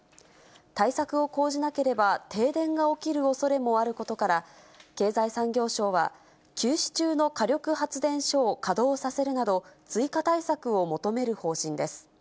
対策を講じなければ停電が起きるおそれもあることから、経済産業省は、休止中の火力発電所を稼働させるなど、追加対策を求める方針です。